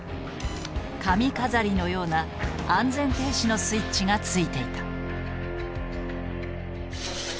髪飾りのような安全停止のスイッチがついていた。